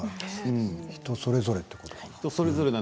人それぞれということかな。